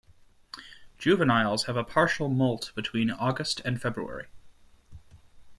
Juveniles have a partial moult between August and February.